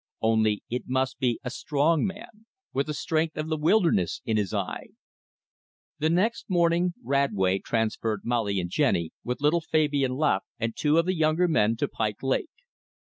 Only it must be a strong man, with the strength of the wilderness in his eye. The next morning Radway transferred Molly and Jenny, with little Fabian Laveque and two of the younger men, to Pike Lake.